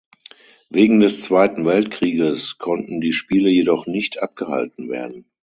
Wegen des Zweiten Weltkrieges konnten die Spiele jedoch nicht abgehalten werden.